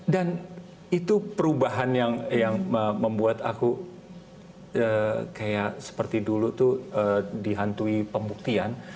itu perubahan yang membuat aku kayak seperti dulu tuh dihantui pembuktian